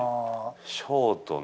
ショートね。